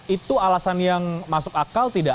itu alasan yang masuk akal tidak